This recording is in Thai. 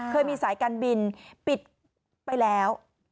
เคยมีสายการบินปิดไปแล้ว